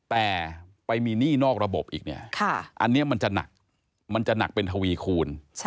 แต่ไปมีหนี้นอกระบบอีกเนี่ยอันนี้มันจะหนักมันจะหนักเป็นทวีคูณ